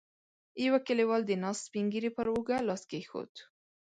يوه کليوال د ناست سپين ږيری پر اوږه لاس کېښود.